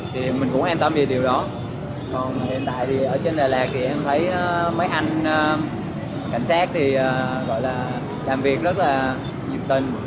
thì mình cũng an tâm về điều đó còn hiện tại thì ở trên đà lạt thì em thấy mấy anh cảnh sát thì gọi là làm việc rất là dự tình